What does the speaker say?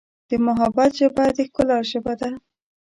د محبت ژبه د ښکلا ژبه ده.